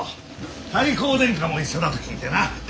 太閤殿下も一緒だと聞いてな。